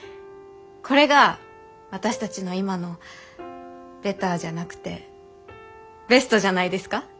これが私たちの今のベターじゃなくてベストじゃないですか？